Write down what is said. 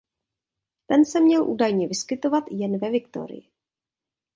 Ten se měl údajně vyskytoval jen ve Victorii.